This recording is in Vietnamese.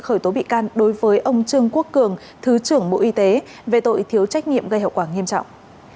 khởi tố bị can đối với ông trương quốc cường thứ trưởng bộ y tế về tội thiếu trách nhiệm gây hậu quả nghiêm trọng